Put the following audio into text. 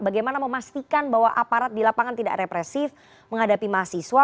bagaimana memastikan bahwa aparat di lapangan tidak represif menghadapi mahasiswa